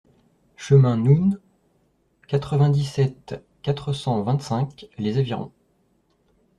Chemin Noun, quatre-vingt-dix-sept, quatre cent vingt-cinq Les Avirons